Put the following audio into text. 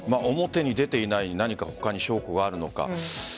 表に出ていない何か他に証拠があるのか。